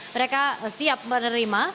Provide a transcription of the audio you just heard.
mereka siap menerima